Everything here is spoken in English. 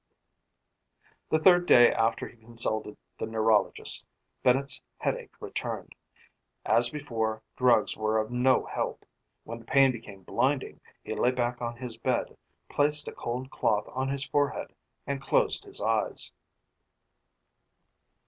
The third day after he consulted the neurologist, Bennett's headache returned. As before, drugs were of no help. When the pain became blinding, he lay back on his bed, placed a cold cloth on his forehead, and closed his eyes.